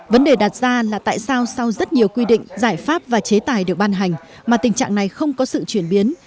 vấn đề đặt ra là tại sao sau rất nhiều quy định giải pháp và chế tài được ban hành mà tình trạng này không có sự chuyển biến